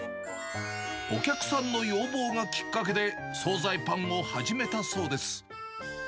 お客さんの要望がきっかけで総菜パンを始めたそうです。